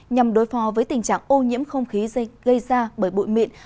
nhằm đối phó với tình trạng ô nhiễm không khí gây ra bởi bụi mịn